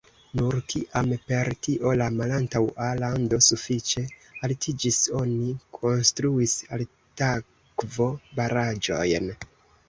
Nur kiam per tio la malantaŭa lando sufiĉe altiĝis, oni konstruis altakvo-baraĵojn.